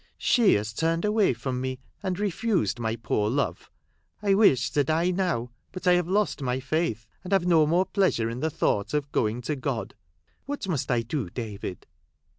She has turned away from me, and refused my poor love. I wish to die now ; but I have lost my faith, and have no more pleasure in the thought of going to God. What must I do, David